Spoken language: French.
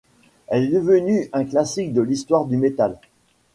Elle est devenue un classique de l'histoire du metal.